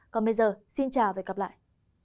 còn bây giờ xin chào và gặp lại